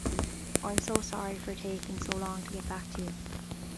I'm so sorry for taking so long to get back to you.